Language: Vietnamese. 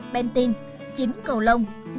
bentin chín cầu lông